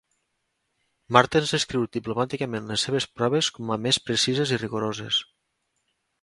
Martens descriu diplomàticament les seves proves com a més precises i rigoroses.